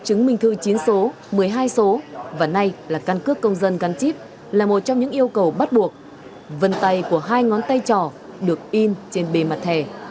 chứng minh thư chín số một mươi hai số và nay là căn cước công dân căn chíp là một trong những yêu cầu bắt buộc vân tay của hai ngón tay trỏ được in trên bề mặt thẻ